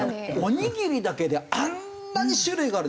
おにぎりだけであんなに種類があるでしょ？